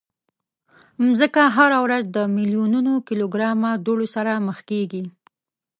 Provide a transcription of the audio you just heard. مځکه هره ورځ د میلیونونو کیلوګرامه دوړو سره مخ کېږي.